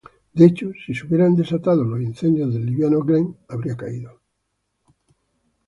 De hecho si se hubieran desatado los incendios el liviano Glen habría caído.